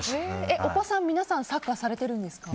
お子さんは皆さんサッカーされてるんですか？